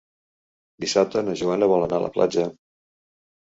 Dissabte na Joana vol anar a la platja.